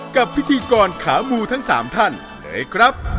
กับพิธีกรขามูทั้ง๓ท่านเลยครับ